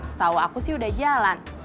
setahu aku sih udah jalan